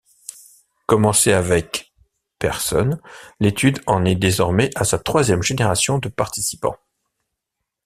Commencée avec personnes, l'étude en est désormais à sa troisième génération de participants.